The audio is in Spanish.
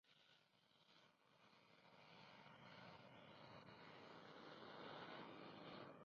Juega de mediocampista en Deportes Santa Cruz de la Segunda División Profesional de Chile.